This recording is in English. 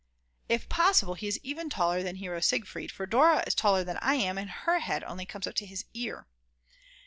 If possible he is even taller than Hero Siegfried, for Dora is taller than I am and her head only comes up to his ear.